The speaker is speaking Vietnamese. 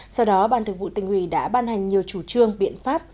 sau đó ban thực vụ tình huy đã ban hành nhiều chủ trương biện pháp